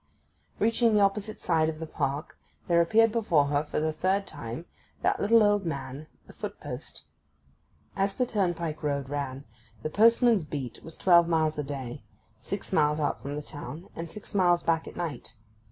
Reaching the opposite side of the park there appeared before her for the third time that little old man, the foot post. As the turnpike road ran, the postman's beat was twelve miles a day; six miles out from the town, and six miles back at night.